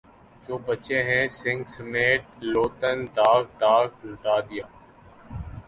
جو بچے ہیں سنگ سمیٹ لو تن داغ داغ لٹا دیا